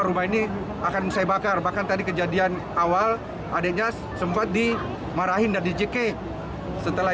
rumah ini akan saya bakar bahkan tadi kejadian awal adeknya sempat dimarahin dan dicekik setelah